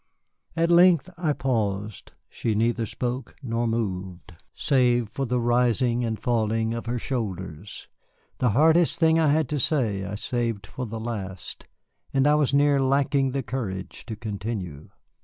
At length I paused. She neither spoke, nor moved save for the rising and falling of her shoulders. The hardest thing I had to say I saved for the last, and I was near lacking the courage to continue.